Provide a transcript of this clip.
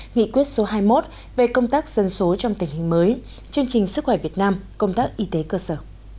nghị quyết số hai mươi một về công tác dân số trong tình hình mới chương trình sức khỏe việt nam công tác y tế cơ sở